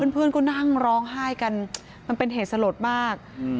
เพื่อนก็นั่งร้องไห้กันมันเป็นเหตุสลดมาก